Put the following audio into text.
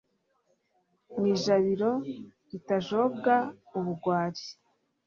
mu ijabiro ritajobwa ubugwari